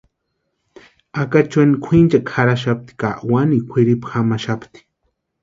Acachueni kwʼinchekwa jarhaxapti ka wanikwa kwʼiripu jamaxapti.